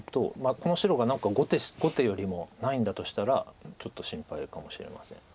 この白が５手よりもないんだとしたらちょっと心配かもしれません。